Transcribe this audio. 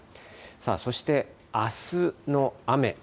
そして、あすの雨。